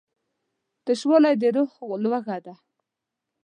تشوالی د روح لوږه ده.